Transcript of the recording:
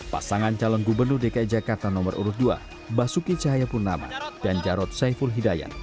pasangan calon gubernur dki jakarta nomor urut dua basuki cahayapurnama dan jarod saiful hidayat